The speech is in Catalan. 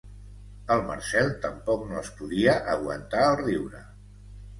El Marcel tampoc no es podia aguantar el riure.